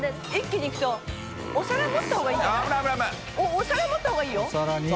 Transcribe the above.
お皿持ったほうがいいよ！